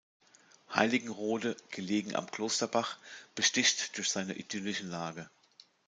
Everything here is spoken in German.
Heiligenrode, gelegen am Klosterbach, besticht durch seine idyllische Lage.